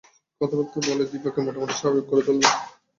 কথাবার্তা বলে দিপাকে মোটামুটি স্বাভাবিক করে তুললাম।